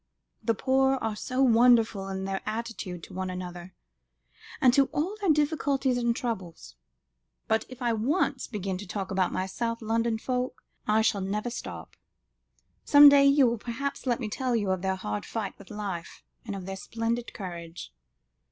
The poor are so wonderful in their attitude to one another, and to all their difficulties and troubles. But if I once begin to talk about my South London folk, I shall never stop. Some day you will perhaps let me tell you of their hard fight with life, and of their splendid courage."